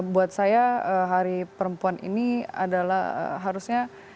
buat saya hari perempuan ini adalah harusnya